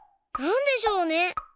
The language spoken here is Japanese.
なんでしょうね？